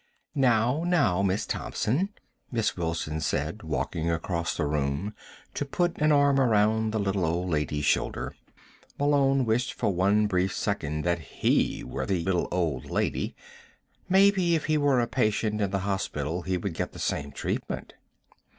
"Now, now, Miss Thompson," Miss Wilson said, walking across the room to put an arm around the little old lady's shoulder. Malone wished for one brief second that he were the old little old lady. Maybe if he were a patient in the hospital he would get the same treatment.